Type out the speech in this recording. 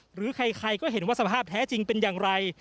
หรือใครก็เห็นว่าสภาพแท้จริงเป็นอย่างไร